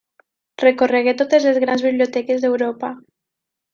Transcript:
Recorregué totes les grans biblioteques d'Europa.